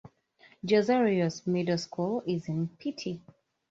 Jose Rios Middle School is in Piti.